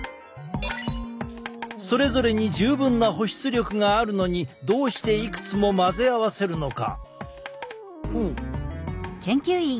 それぞれに十分な保湿力があるのにどうしていくつも混ぜ合わせるのか？